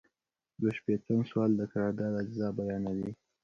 دوه شپیتم سوال د قرارداد اجزا بیانوي.